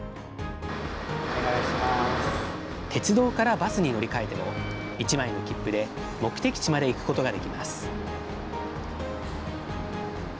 鉄道からバスに乗り換えても、１枚の切符で目的地まで行くことができます。